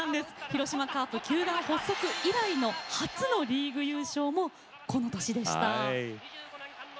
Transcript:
広島カープ球団発足以来の初のリーグ優勝もこの年でした。